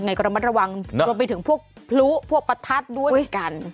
ในกรมรัวมรวมไปถึงพวกพลุพวกปฏัสด้วยกัน